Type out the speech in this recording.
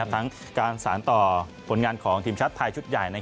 ทั้งการสารต่อผลงานของทีมชาติไทยชุดใหญ่